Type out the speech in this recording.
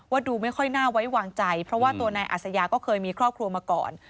ดูไม่ค่อยน่าไว้วางใจเพราะว่าตัวนายอัศยาก็เคยมีครอบครัวมาก่อน